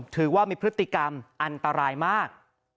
ถือว่ามีพฤติกรรมอันตรายมาก